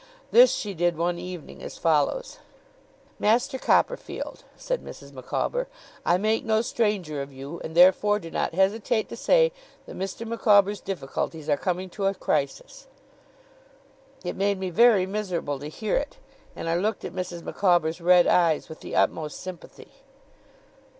This she did one evening as follows: 'Master Copperfield,' said Mrs. Micawber, 'I make no stranger of you, and therefore do not hesitate to say that Mr. Micawber's difficulties are coming to a crisis.' It made me very miserable to hear it, and I looked at Mrs. Micawber's red eyes with the utmost sympathy.